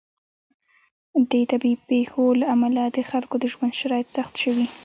د طبیعي پیښو له امله د خلکو د ژوند شرایط سخت شوي.